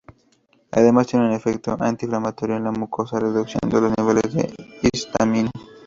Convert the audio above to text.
Además tiene un efecto antiinflamatorio en la mucosa reduciendo los niveles de histamina.